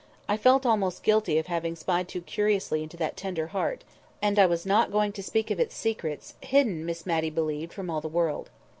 I felt almost guilty of having spied too curiously into that tender heart, and I was not going to speak of its secrets—hidden, Miss Matty believed, from all the world.